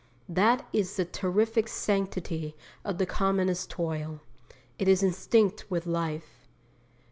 That is the terrific sanctity of the commonest toil. It is instinct with life.